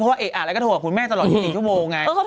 เพราะว่าเอ๊ะอะไรก็โทรกับคุณแม่ตลอด๒๐ชั่วโมงไง